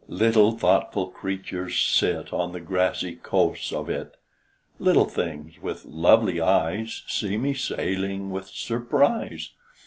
Little thoughtful creatures sit On the grassy coasts of it; Little things with lovely eyes See me sailing with surprise.